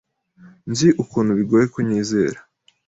Nzi ukuntu bigoye kunyizera.